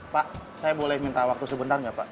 pak saya boleh minta waktu sebentar nggak pak